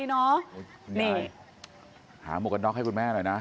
นี่หาหมวกกันน็อกให้คุณแม่หน่อยนะ